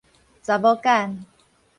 查某 𡢃